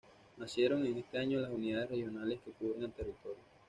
Nacieron en ese año las Unidades Regionales que cubren el territorio.